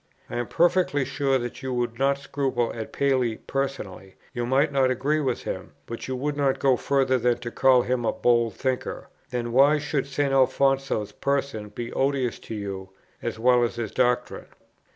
I am perfectly sure that you would not scruple at Paley personally; you might not agree with him, but you would not go further than to call him a bold thinker: then why should St. Alfonso's person be odious to you, as well as his doctrine?